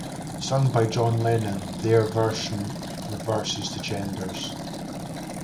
Sung by John Lennon, their version reverses the genders.